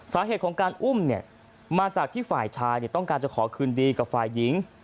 สาเหตุของการอุ้มเนี่ยมาจากที่ฝ่ายชายต้องการจะขอคืนดีกับฝ่ายหญิง